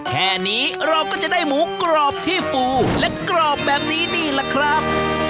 แค่นี้เราก็จะได้หมูกรอบที่ฟูและกรอบแบบนี้นี่แหละครับ